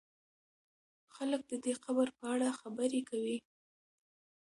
خلک د دې قبر په اړه خبرې کوي.